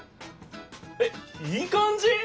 えっいいかんじ！？